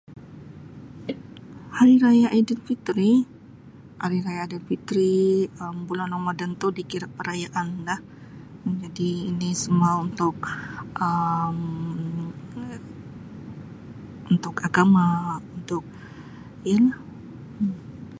Hari Raya Aidilfitri, Hari Raya Aidilfitri, Um Bulan Ramadan tu dikira perayaan lah, jadi ini semua untuk Um ke untuk agama, untuk [unintelligible]